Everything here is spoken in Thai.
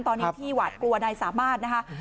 ตอนนี้ที่หวาดกลัวนายสามารถนะคะ